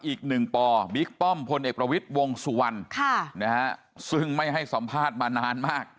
อีกหนึ่งปบิ๊กป้อมพลเอกประวิทย์วงสุวรรณซึ่งไม่ให้สัมภาษณ์มานานมาก